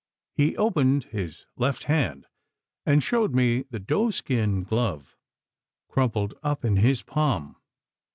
He opened his left hand and showed me the doe skin glove crumpled up in his palm.